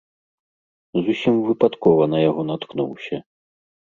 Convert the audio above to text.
Зусім выпадкова на яго наткнуўся.